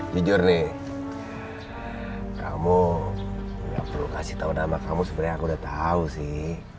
jujur nih kamu gak perlu kasih tau nama kamu sebenernya aku udah tau sih